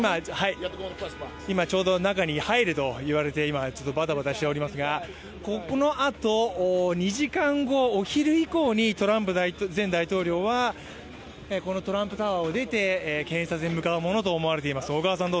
今、ちょうど中に入れと言われてちょっとバタバタしておりますが、このあと２時間後、お昼以降にトランプ前大統領はこのトランプタワーを出て検察に向かうものと思われています。